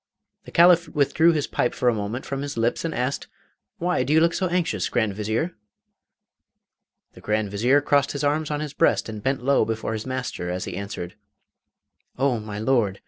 The Caliph withdrew his pipe for a moment from his lips and asked, 'Why do you look so anxious, Grand Vizier?' The Grand Vizier crossed his arms on his breast and bent low before his master as he answered: 'Oh, my Lord!